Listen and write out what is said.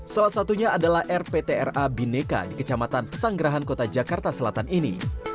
salah satunya adalah rptra bineka di kecamatan pesanggerahan kota jakarta selatan ini